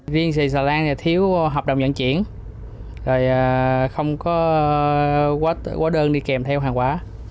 viên xây xà lan thì thiếu hợp đồng vận chuyển không có hóa đơn đi kèm theo hàng hóa